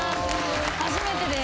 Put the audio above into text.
初めてです。